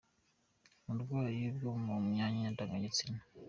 Uburwayi bwo mu myanya ndangagitsina.